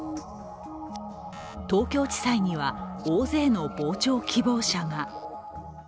東京地裁には大勢の傍聴希望者が。